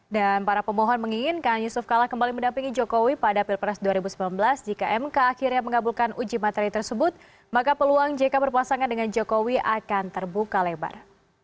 dan para pemohon menginginkan yusuf kala kembali mendampingi jokowi pada pilpres dua ribu sembilan belas jika mk akhirnya mengabulkan uji materi tersebut maka peluang jk berpasangan dengan jokowi akan terbuka lebar